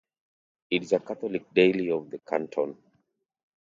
It is a Catholic daily of the canton.